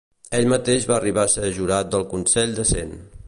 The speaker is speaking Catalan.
Ell mateix va arribar a ser jurat del Consell de Cent.